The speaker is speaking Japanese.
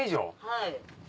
はい。